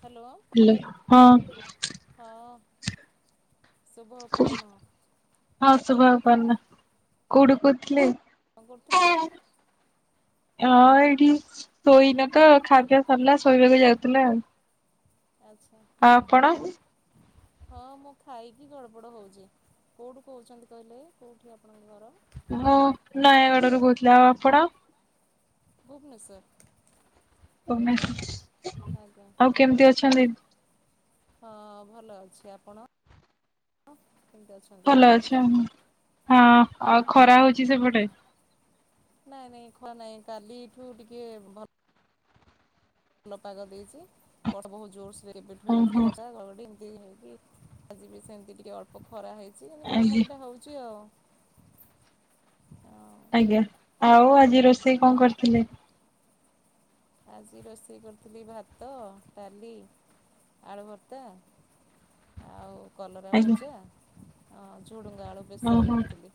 Hello hello ହଁ। ହଁ ଶୁଭ କୁ ଅପରାହ୍ନ। ହଁ ଶୁଭ ଅପର୍ଣ୍ଣ, କୋଉଠୁ କହୁଥିଲେ? କଣ କରୁଥିଲେ? ହଁ ଏଇଠି ଶୋଇନ ତ ଖାପିଅ ସରିଲା ଶୋଇବାକୁ ଯାଉଥିଲା ଆଉ ଆଚ୍ଛା ଆଉ ଆପଣ? ହଁ ମୁଁ ଖାଇକି ଗଡ଼ପଡ଼ ହଉଛି, କୋଉଠୁ କହୁଛନ୍ତି କହିଲେ କୋଉଠି ଆପଣଙ୍କ ଘର? ହଁ ନୟାଗଡ଼ରୁ କହୁଥିଲି ଆଉ ଆପଣ? ଭୁବନେଶ୍ୱର। ଭୁବନେଶ୍ୱର, ଆଜ୍ଞା ଆଉ କେମିତି ଅଛନ୍ତି? ହଁ ଭଲ ଅଛି, ଆପଣ? କେମିତି ଅଛନ୍ତି? ଭଲ ଅଛି ହୁଁ, ହଁ ଆଉ ଖରା ହେଉଛି ସେପଟେ? ନାଇଁ-ନାଇଁ ଖରା ନାଇଁ କାଲିଠୁ ଟିକେ ଭଲ୍ ଭଲ ପାଗ ଦେଇଛି, ବର୍ଷା ବହୁତ ଜୋରସେ କେବେଠୁ ଓହୋ ହେଇନଥିଲା ବର୍ଷା ଘଡ଼ଘଡ଼ି ଏମ୍ ଏମିତି ହେଇକି ଆଜି ବି ସେମିତି ଟିକେ ଅଳ୍ପ ଖରା ହେଇଛି [inaudible] ଆଜ୍ଞା ଗୁଳମୁଳିଟା ହେଉଛି ଆଉ ଆଜ୍ଞା, ଆଉ ଆଜି ରୋଷେଇ କଣ କରିଥିଲେ? ଆଜି ରୋଷେଇ କରିଥିଲି ଭାତ ଡାଲି ଆଳୁ ଭର୍ତ୍ତା ଆଉ କଲରା ଆଜ୍ଞା ଭଜା ଝୁଡ଼ୁଙ୍ଗା ଆଳୁ ବେସର ଓହୋ କରିଥିଲି,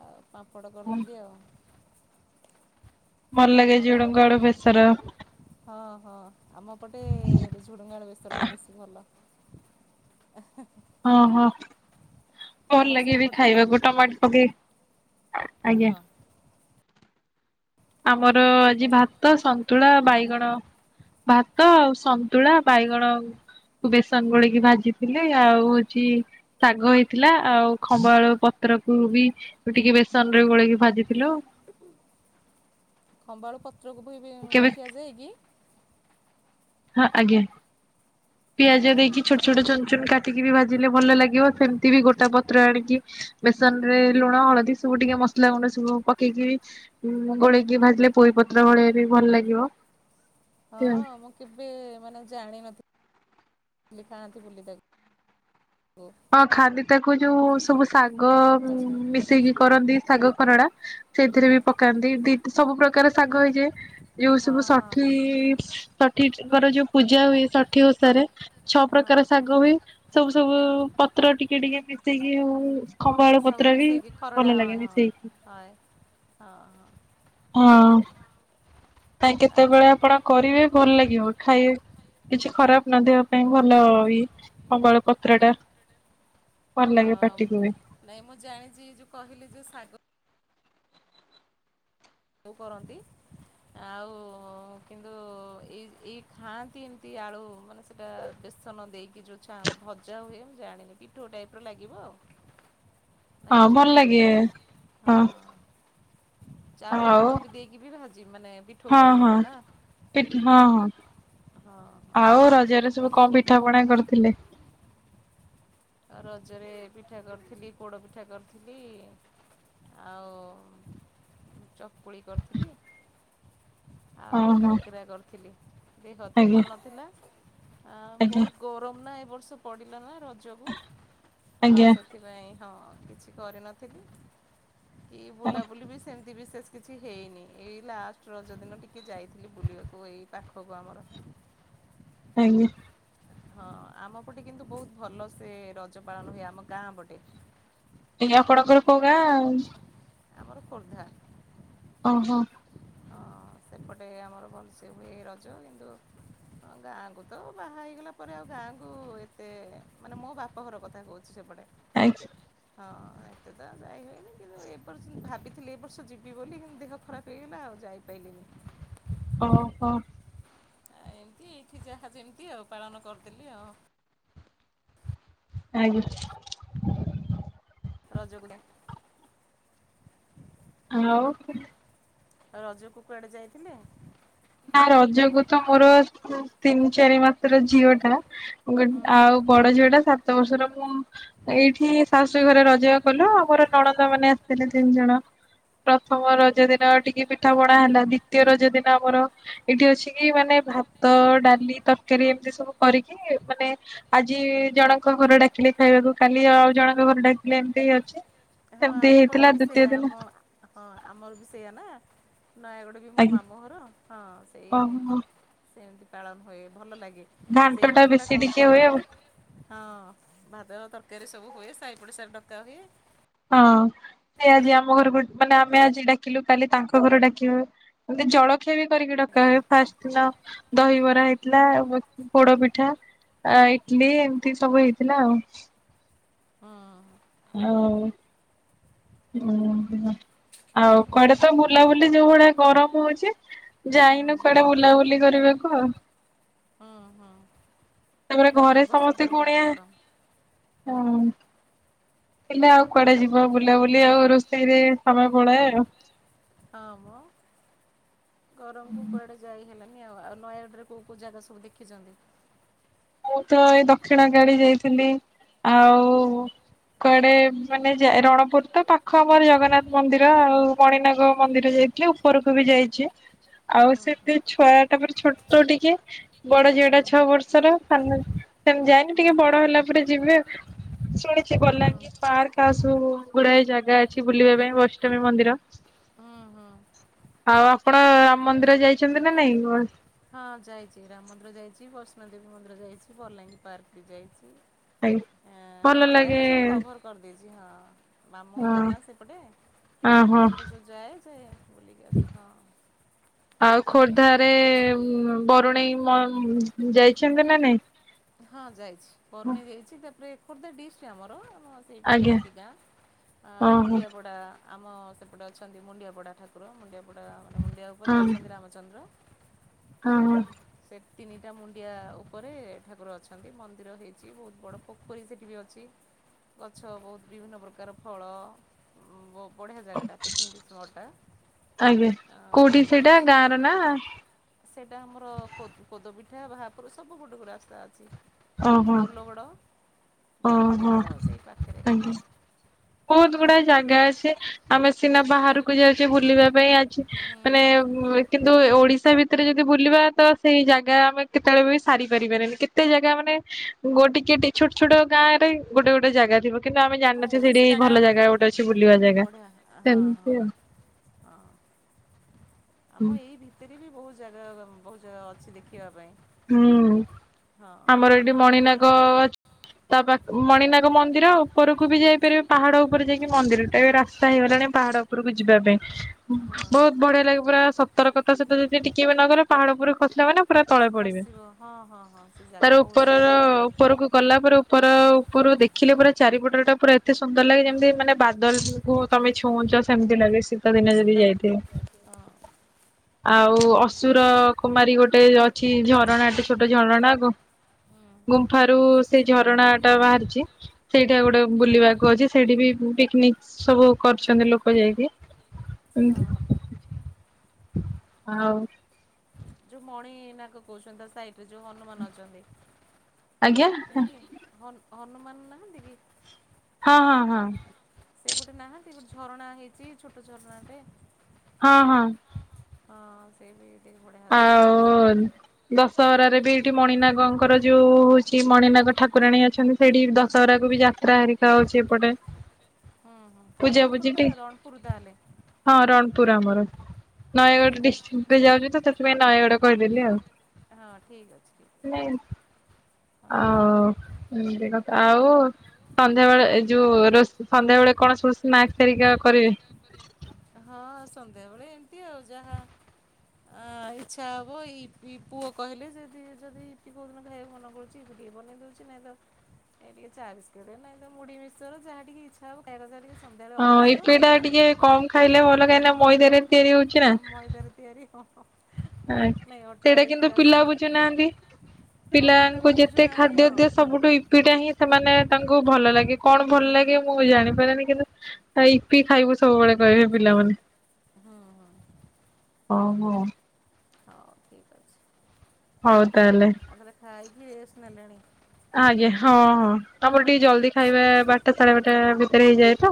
ଆଉ ପାମ୍ପଡ଼ ହଁ କରିଥିଲି ଆଉ। ଭଲ ଲାଗେ ଝୁଡଙ୍ଗ ଆଳୁ ବେସର? ହଁ-ହଁ, ଆମ ପଟେ ଝୁଡ଼ୁଙ୍ଗ ଆଳୁ ବେସରଟା ବେଶୀ ଭଲ। ହେଁହେଁ। ହଁ-ହଁ। ଭଲ୍ ଆମର ଲାଗେବି ସେଇପଟ ନା ଖାଇବାକୁ ଟମାଟ ପକେଇ, ଆଜ୍ଞା। ହଁ ଆମର ଆଜି କହୁଥିଲି, ଭାତ ସନ୍ତୁଳା ବାଇଗଣ ଭାତ ଆଉ ସନ୍ତୁଳା ବାଇଗଣ ଆଉ ବେସନ ଗୋଳିକି ଭାଜିଥିଲି ଆଉ ହେଉଛି ଶାଗ ହେଇଥିଲା ଆଉ ଖମ୍ବା ଆଳୁ ପତ୍ ପତ୍ରକୁ ବି ଟିକେ ବେସନରେ ଗୋଳେଇକି ଭାଜିଥିଲୁ। ହୁଁ ଖମ୍ବଆଳୁ ପତ୍ରକୁ ବି ବି କେବେ ଖିଆଯାଏକି? ହଁ ଆଜ୍ଞା, ପିଆଜ ହଁ ଦେଇକି ଛୋଟ ଛୋଟ ଚୁନଚୁନ୍ କା କାଟିକି ବି ଭାଜିଲେ ଭଲ ଲାଗିବ, ସେମିତି ବି ଗୋଟା ପତ୍ର ଆଣିକି ବେସନରେ ଲୁଣ ହଳଦୀ ସବୁ ଟିକେ ମ ମସଲା ଗୁଣ୍ଡ ସବୁ ପକେଇକି ଗୋଳେଇକି ଭାଜିଲେ ପୋଇ ପତ୍ର ଭଳି ବି ଭଲ ଲାଗିବ। ଏମିତି ଆଉ ହଁଅ-ଅ ମୁଁ କେବେ ମାନେ ଜାଣିନଥି ଲି ଖାଆନ୍ତି ବୋଲି ତାକୁ। ହଁ ଖାଆନ୍ତି, ତାକୁ ଯୋଉ ସବୁ ଶାଗ ଆଚ୍ଛା ମିଶେଇକି କରନ୍ତି ଶାଗ ଖରଡା ସେଥିରେ ବି ହଁ ପକାନ୍ତି ଦି ସବୁ ପ୍ରକାର ଶାଗ ହେଇଯାଏ ଯୋଉ ହଁ ସବୁ ହଁ ଷଠିଇ-ଇ-ଇ ଷ ଷଠିଙ୍କର ଯୋଉ ପୂଜା ହୁଏ ଷଠି ଓଷାରେ ଛଅ ହଁ ପ୍ରକାର ଶାଗ ହୁଏ ସବୁ ସବୁ ହଁ ପତ୍ର ଟିକେ ଟିକେ ମିଶେଇକି ହଉ ଖମ୍ବ ଆଳୁ ସବୁ ପତ୍ର ବି ମିଶେଇକି ଖରଡ଼ା ଭଲ ହଁ ଲାଗେ ହଁ ମିଶେଇକି। ହଏ ହଁ- ହଁ। କାଇଁ ଆଚ୍ଛା କେତେବେଳେ ଆପଣ କରିବେ ଭଲ ଲାଗିବ ଖାଇବେ। କିଛି ଖରାପ ନ ଦେବା ପାଇଁ ଭଲ ବି ମଙ୍ଗଳ ପତ୍ରଟା। ଭଲ ଲାଗେ ପାଟିକୁ ହଁଅ-ଅ, ନାଇଁ ମୁଁ ଜାଣିଛି ଯୋଉ କହିଲେ ଯୋଉ ଶାଗ ସବୁ କରନ୍ତି। ଆଉ କିନ୍ତୁ ଏଇ ଏଇ ଖାଆନ୍ତି ଏମିତି ଆଳୁ ମାନେ ସେଟା ବେଶ୍ ସନ ଦେଇକି ଯୋଉ ଭଜା ହୁଏ, ମୁଁ ଜାଣିନି ପିଠୁ ଟାଇପ ର ଲାଗିବ ଆଉ। ନାଇଁ ହଁ କି ଭଲ ଲାଗେ ହଁ ଚାଉଳ ଆଉ ଗୁଣ୍ଡ ବି ଦେଇକି ବି ଭାଜି ମାନେ ପିଠୋ ହଁ କରି ହଁ ହବ ନା ପିଠା ହଁ ହଁ ହଁ ହଁ ଆଉ ରଜରେ ସବୁ କଣ ପିଠା ପଣା କରିଥିଲେ? ଆଉ ରଜରେ ପିଠା କରିଥିଲି, ପୋଡ଼ ପିଠା କରିଥିଲି। ଆଉ ଚକୁଳି କରିଥିଲି। ହଁ ଆଉ ହଁ କାକିରା କରିଥିଲି, ଦେହ ତ ଆଜ୍ଞା ଭଲ ନଥିଲା। ଆ ଆଜ୍ଞା ବହୁତ ଗରମ ନା ଏ ବର୍ଷ ପଡ଼ିଲା ନା ରଜକୁ ଆଉ ଆଜ୍ଞା ସେଥିପାଇଁ ହଁ କିଛି କରିନଥିଲି କି ବୁଲାବୁଲି ବି ସେମିତି ବି ଶେଷ କିଛି ହେଇନି, ଏଇ ଲାଷ୍ଟ ରଜ ଦିନ ଟିକେ ଯାଇଥିଲି ବୁଲିବାକୁ ଏଇ ପାଖକୁ ଆମର [inaudible] ଆଜ୍ଞା। ହଁ ଆମ ପଟେ କିନ୍ତୁ ବହୁତ ଭଲ ସେ ରଜ ପାଳନ ହୁଏ, ଆମ ଗାଁ ପଟେ। [unintelligible] ଆମର ଖୋର୍ଦ୍ଧା। ଓ ହୋ। ହଁ। ସେପଟେ ଆମର ଭଲସେ ହୁଏ ରଜ କିନ୍ତୁ ତାପରେ ଆଉ ଗାଁକୁ ଏତେ ମାନେ ମୋ ବାପ ଘର କଥା କହୁଛି ସେପଟେ। ଆ ହଁ। ସେତେ ତ ଯାଇ ହଏନି କିନ୍ତୁ ଏର୍ଷ ଭାବିଥିଲି ଯିବି ବୋଲି ଦେହ ଖରାପ ହେଇଗଲା କିନ୍ତୁ ଯାଇପାରିବିନି। [inaudible] ଓହୋ। ଆ ଏମତି ଏଇଠି ଯାହା ଯେମିତି ଆଉ ପାଳନ କରିଦେଲି ଆଉ ଆଜ୍ଞା। ରଜ କୁ ଡାକ ଆଉ ରଜକୁ କୁଆଡେ ଯାଇଥିଲେ? ନା ରଜକୁ ତ ମୋର ତିନି ଚାରି ମାତ୍ର ଝିଅ ଟା ହଁ। ଆଉ ବଡ ଝିଅ ଟା ସାତ ବର୍ଷର ମୁଁ ଏଇଠି ବାସ୍ ସେ ଘରେ ରଜ କଲୁ ଆମର ନଣନ୍ଦା ମାନେ ଆସିଥିଲେ, ତିନି ଜଣ ପ୍ରଥମ ରଜ ଦିନ ଟିକେ ପିଠା ପଣା ହେଲା, ଦୁଇତୀୟ ରଜ ଦିନ ଆମର ମିଶିକି ମାନେ ଭାତ ଡାଲି ତରକାରୀ ଏମିତି ସବୁ କରିକି ମାନେ ଆଜି ଜଣଙ୍କ ଘର ଡାକିଲେ ଖାଇବାକୁ କ ଖାଲି ଆଉ ଜଣଙ୍କ ଘରେ ଡାକିଲେ ଏମିତି ଅଛି। ହଁ ସେମିତି ଆମ ପଟେ ହେଇଥିଲା ବି ଦ୍ଵିତୀୟ ସେଇୟା, ଦିନ ଆମ ହଁ ଆମର ବି ସେଇୟଆ ନା ନୟାଗଡ଼ ବି ମୋ ଆଜ୍ଞା ମାମଁ ଘର ହଁ ସେଇ ଓହୋ ସେମିତି ପାଳନ ହୁଏ ଭଲ ଲାଗେ। ଘାଣ୍ଟ ସେଇ କଥା ଟା ବେଶୀ ଟିକେ କହୁଥିଲି ହୁଏ ଆଉ ହଁ। ଭାତ ତରକାରୀ ସବୁ ହୁଏ, ସାଇପଡ଼ିଶା ଡକା ହୁଏ। ହଁ ସେ ଆଜି ବଢ଼ିଆ ଆମ ଘରକୁ ମାନେ ଆମେ ଆଜି ଡାକିଲୁ କାଲି ତାଙ୍କ ଘରୁ ଡାକି ବେ ମେ ଜଳଖିଆ ବି କରିକି ଡକା ଲାଗେ। ହଏ ଫାଷ୍ଟ ଦ ଦହିବରା ହେଇଥିଲା ପୋଡ ପିଠା ଆ ଇଟଲିି ଏମିତି ସବୁ ହେଇଥିଲା ଆଉ। ହୁଁ। ହଁ ହଁ। ଆଉ କୁଆଡେ ତ ବୁଲାବୁଲି ଯୋଉ ଭଳିଆ ଗରମ ହଉଛି, ହୁଁ ଯାଇନୁ କୁଆଡେ ବୁଲାବୁଲି କରିବାକୁ ଆଉ। ହୁଁ ହୁଁ ତାପରେ ନାଇଁ ଘରେ ଏ ବର୍ଷ ସମସ୍ତେ କୁଣିଆ ବହୁତ ଗରମ ହ ହୁଁ ହେଲେ ଆଉ କୁଆଡେ ଯିବ ବୁଲାବୁଲି, ଆଉ ରୋଷେଇରେ ସମୟ ପଳାଏ ଆଉ। ହଁ ମ ଗରମକୁ କୁଆଡେ ଯାଇ ହେଲାନି। ଆଉ ଆଉ ନୟାଗଡ଼ରେ କୋଉ କଉ ଜାଗା ସବୁ ଦେଖିଛନ୍ତି? ମୁଁ ତ ଏଇ ଦକ୍ଷିଣ ଗାଡି ଯାଇଥିଲି। ଆଉ କୁଆଡେ ମାନେ ଯାଏ ରଣପୁର ତ ପାଖ ଆମର ଜଗନ୍ନାଥ ମନ୍ଦିର ଆଉ ମଣିନାଗ ମନ୍ଦିର ଜା ଦେଖିଲି ଉପରକୁ ବି ଯାଇଛି। ଆଉ ହୁଁ ହୁଁ। ସେମିତି ଛୁଆ ଟା ମର ଛୋଟ ଟିକେ ବଡ ଝିଅଟା ହଁ ହଁ ଛଅ ବର୍ଷର। ସେମ ଯାଇନି ହଁ ଟିକେ ବଡ ହେଲା ପରେ ଯିବେ ଆଉ। ଶୁଣିଛି ବଲା ହଁ ଗ୍ନିର ପାର୍କ ଆଉ ସବୁ ଗୁଡାଏ ଜାଗା ଅଛି ବୁଲିବା ପାଇଁ ବୈଷ୍ବୀବି ମନ୍ଦିର। ଓ ହୋ। ଆଉ ଆପଣ ରାମ ମନ୍ଦିର ଯାଇଛନ୍ତି ନା ନାଇଁ ନୂଆ? ହଁ ଯାଇଛି ରାମ ମନ୍ଦିର ଯାଇଛି, ବୈଷ୍ଣୋ ଦେବୀ ମନ୍ଦିର ଯାଇଛି, ବଲାଙ୍ଗୀ ପାର୍କ ବି ଯାଇଛି। ଆଜ୍ଞ ହଁ ଭଲ ଲାଗେ। ନୟାଗଡ଼ ସବୁ କଭର୍ କରିଦେଇଛି ହଁ ମାମୁଁ ଘର ହଁ ନା ସେପଟେ। ଆମ ଓହୋ ଘରକୁ ଯୋଉ ଯାଏ ଯା ବୁଲିକି ଆସେ ହଁ। ଆଉ ଖୋର୍ଦ୍ଧାରେ ବରୁଣେଇ ଯାଇଛନ୍ତି ନା ନାଇ? ହଁ ଯାଇଛି ବରୁଣେଇ ଯାଇଛି ତାପରେ ଖୋର୍ଦ୍ଧା ଡିଶ ଆମର। ସେଇ ପାଖ ଆଜ୍ଞା ପାଖି ଗାଁ ଓହୋ ମୁଣ୍ଡିଆପଡ଼ା। ଆମ ସେପଟେ ଅଛନ୍ତି ମୁଣ୍ଡିଆପଡ଼ା ଠାକୁର ମୁଣ୍ଡିଆପଡ଼ା ମାନେ ମୁଣ୍ଡିଆ ଉପରେ ହଁ ଅଛନ୍ତି ରାମଚନ୍ଦ୍ର। ହ ହଁ ସେ ତିନିଟା ମୁଣ୍ଡିଆ ଉପରେ ଠାକୁର ଅଛନ୍ତି, ମନ୍ଦିର ହେଇଛି ବହୁତ ବଡ଼ ପୋଖରୀ ସେଇଠି ବି ଅଛି। ଗଛ ବହୁତ ବିଭିନ୍ନ ପ୍ରକାର ଫଳ ବଢ଼ିଆ ଜାଗାଟା ପିକନିକ୍ ସ୍ପଟ୍ଟ ଟା। ଆଜ୍ଞା କୋଉଠି ସେଇଟା ଗାଁର ନା? ସେଇଟା ଆମର କୋଦପିଠା ବାହାପରୁ ସବୁ ଗୁଟେ ଗୋଟେ ରାସ୍ତା ଅଛି। ଓହୋ ବୋଲଗଡ଼ ଜାଣିଥିବେ ଓହୋ ତ ସେଇ ପାଖରେ ହଁ। ଆଜ୍ଞା ବହୁତ ହଁ ଗୁଡା ଜାଗା ଅଛି ଆମେ ସିନା ବାହାରୁ ଯାଉଛି ବୁଲିବା ପାଇଁ ଆ ହୁଁ ମାନେ କିନ୍ତୁ ଓଡିଶା ଭିତରେ ଯଦି ବୁଲିବା ତ ସେଇ ଜାଗା ଆମେ କେତେବେଳେ ବି ସାରି ପାରିବାରନି କେତେ ଜାଗା ମାନେ ଗୋଟ କି ଛୋଟ ଛୋଟ ଗାଁ ରେ ଗୋଟେ ଗୋଟେ ଜାଗା ଥିବ। କିନ୍ତୁ ଆମେ ଆମ ଜାଣିନଥିଲ ସେଠି ଓଡ଼ିଶା ଭଲ ଜାଗା ଗୋଟେ ଅଛି ବୁଲିବା ଜାଗା ବଢ଼ିଆ ହଁ ହଁ ସେମିତି ଆଉ। ହଁ। ଆଉ। ଆମ ଏଇ ଭିତରେ ବି ବହୁତ ଜାଗା ବହୁତ ଜାଗା ଅଛି ଦେଖିବା ପାଇଁ। ହୁଁ ହଁ ଆମର ଏଇଠି ମଣିନାଗ ଅଛି। ତା ପାଖ ମଣିନାଗ ମନ୍ଦିର ଉପରକୁ ବି ଯାଇପାରିବେ ପାହାଡ ଉପରେ ଯାଇକି ମନ୍ଦିର ଟ ଏବେ ରାସ୍ତା ହେଇଗଲାଣି ପାହା ପା ଉପରକୁ ଯିବା ପାଇଁ। ହଁ। ବହୁତ ବଢିଆ ଲାଗେ ପୁରା ସତର କଥା ସହିତ ଯଦି ଟିକେ ବି ନ ଗଲେ ପାହାଡ ପୁର ଖସିଲା ମାନେ ପୁରା ତଳେ ପଡିବେ, ଖସିବ ହଁ ହଁ ହଁ ସେ ତାର ଜାଗା ବହୁତ ଉପରର ସରୁ ଜାଗାଟା। ଉପରକୁ ଗଲା ପରେ ଉପର ଉପର ଦେଖିଲେ ପରେ ଚାରିପଟ ଟା ପୁରା ଏତେ ସୁନ୍ଦର ଲାଗେ ହଁ ଯେମିତି ମାନେ ବାଦଲୁ ତମେ ଛୁଁଛ ସେମିତି ଲାଗେ। ଶୀତ ଆ ଦିନେ ଯଦି ସେତା ଯାଇଥିବେ। ହଁ। ଆଉ ଅସୁର କୁମାରୀ ଗୋଟେ ଅଛି ଝରଣାଟେ ଛୋଟ ଝରଣା କ ହୁଁ ଗୁମ୍ଫାରୁ ସେ ଝରଣା ଟା ବାହାରିଛି। ସେଇଠା ଗୋଟେ ହଁ ବୁଲିବାକୁ ଅଛି ସେଇଠି ବି ପିକନିକ ସବୁ କରିୁଛନ୍ତି ଲୋକ ଯାଇକି। ହ ହଁ ଆଉ ଯୋ ମୋଣ ଏ ନା କ କୋଛତା ସା ତ ଯୋଉ ହନୁମାନ ଅଛନ୍ତି ଆଜ୍ଞା ନାଇଁ କି? ହନୁମାନ ନାହାଁନ୍ତି କି? ହଁ ହଁ ହଁ। ସେଇପଟେ ନାହାନ୍ତି ଗୋଟେ ଝରଣା ହେଇଛି ଛୋଟ ଝରଣାଟେ। ହଁ ହଁ। ହଁ ସେଇ ବି। ଦେଖ ବଢ଼ିଆ ଜାଗାଟା। ଆଉ ଦଶହରାରେ ବି ଏଇଠି ମଣିନାଗଙ୍କର ଯୋଉ ହଉଛି ମଣିନାଗ ଠାକୁରାଣୀ ଅଛନ୍ତି ସେଇଠି ଦଶହରା କୁ ବି ଯାତ୍ରା ହେରିକା ହଉଛି ଏପଟେ ହଁ ହଁ ପୂଜା ପୂଜି ଆପଣଙ୍କର ଟି ତାହଲେ ରଣପୁର ତାହେଲେ। ହଁ ରଣପୁର ଆମର ନୟାଗଡ଼ ଆଚ୍ଛା ଆଚ୍ଛା। ଡିଷ୍ଟ୍ରିକ୍ଟରେ ଯାଉଛି ତ ସେଥିପାଇଁ ନୟାଗଡ କହିଦେଲି ଆଉ। ହଁ ଠିକ୍ ଅଛି ଠିକ୍ ଅଛି। ନାଇଁ ହଁ। ଆଉ ଏମିତି କଥା ଆଉ ସନ୍ଧ୍ୟାବେେଳେ ଏ ଯୋଉ ରୋଷ ସନ୍ଧ୍ୟା ବେଳେ କଣ ସବୁ ସ୍ନାକସ ହେରିକା କରିବେ? ହଁ ସନ୍ଧ୍ୟାବେଳେ ଏମିତି ଆଉ ଯାହା ଆ ଇଚ୍ଛା ହବ ଇପି ପୁଅ କହିଲେ ଯ ଯଦି ଇପି କୋଉ ଦିନ ଖାଇବାକୁ ମନ କରୁଛି ଇପି ବନେଇ ଦଉଛି ନାଇଁ ତ ଏଇ ଟିକେ ଚା ବିସ୍କେଟ ହେଲା ଏମିତି ମୁଢି ମିକ୍ସଚର ଯାହା ଟିକେ ଇଛା ହବ ଖାଇବା କଥା ଟିକେ। ସନ୍ଧ୍ୟାବେଳେ ହଁ ଅଭ୍ୟାସ ତ। ଇପିଟା ଟିକେ କମ ଖାଇଲେ ଭଲ କାଇକିନା ମଇଦାରେ ଆଉ ମଇଦା ରେ ତିଆରି ହଁ। ହଁ ଆ ନାଇଁ ଅଟା ସେଇଟା ଇପି କିନ୍ତୁ ପିଲା ଆସୁଛି ବୁଝୁନାହାନ୍ତି। ହଁ ପିଲା ବା ପିଲାଙ୍କୁ ଯେତେ ବୁଝୁନାହାନ୍ତି ଖାଦ୍ୟ ହଁ ଦିଅ ସବୁଠୁ ଇପିଟା ହିଁ ସେମାନେ ତାଙ୍କୁ ଭଲ ଲାଗେ କଣ ଭଲ ହଁ। ଲାଗେ ମୁଁ ଜାଣିପାରେନି କିନ୍ତୁ ଇିପି ଖାଇବୁ। ସବୁବେଳେ କହିବେ ପିଲାମାନେ ହୁଁ ହୁଁ ଓ ହୋ। ହଉ ଠିକ ଅଛି। ହଉ। ତାହେଲେ। ଆଉ ତାହେଲେ ଖାାଇକିି ରେଷ୍ଟ ନେଲେଣି? ଆଜ୍ଞା ହଁ ହଁ ଆମର ଟିକେ ଜଲଦି ଖାଇବା ଜଲ୍ଦି ବାରଟା ସାଢେ ବାରଟା ଭିତରେ ହେଇଯାଏ। ତ।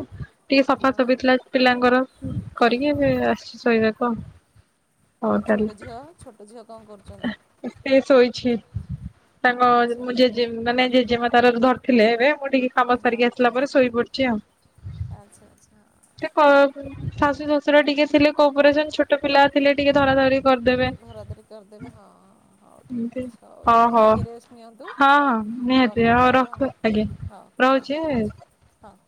ଟିକେ ସଫା ହଁ ସଫିଥିଲା ପିଲାଙ୍କର ହଁ କରିକି ହଁ। ଏବେ ଆସିଛି ଶୋଇବାକୁ ଆଉ। ହଉ ଆଉ ତାହେଲେ ଛୋଟ ଝିଅ ଛୋଟ ଝିଅ କଣ କରୁଛନ୍ତି? ଅଛି ତାଙ୍କ ଆଚ୍ଛା ମୁଁ ଜେଜେ ମାନେ ଜେଜେମା ତାର ଧରିଥିଲେ ଏବେ। ମୁଁ ଟିକେ କାମ ହଁ ସାରିକି ଆସିଲା ପରେ ଶୋଇ ପଡିଛି ଆଉ। ଆଚ୍ଛା ଆଚ୍ଛା। ସେ କ ଶାଶୁ ଶ୍ୱଶୁର ଟିକେ ଥିଲେ କୋପରେସନ ଛୋଟ ପିଲା ଥିଲେ ଟିକେ ଧରା ଧରି କରିଦେବେ। ଧରା ଧରି କରିଦେବେ ହଁ ହଁ ହଉ ଏମତି ଠିକ ଅଛି ହଉ ହଁ ଯାଆନ୍ତୁ ଟିକେ ରେଷ୍ଟ ନିଅନ୍ତୁ। ହଁ ହଁ ପରେ ନିହାତି କଥା ଆଉ ହେବା ରଖୁ ଆଜ୍ଞା ଆଉ ହଉ ହଁ ରହୁଛି। ହଁ।